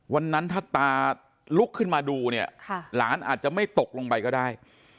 วันนั้นถ้าตาลุกขึ้นมาดูเนี่ยหลานอาจจะไม่ตกลงไปก็ได้